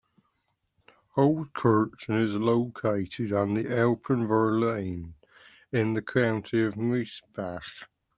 Holzkirchen is located on the Alpenvorland in the county of Miesbach.